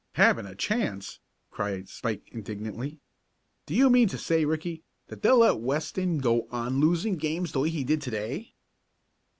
"Haven't a chance!" cried Spike, indignantly. "Do you mean to say, Ricky, that they'll let Weston go on losing games the way he did to day?"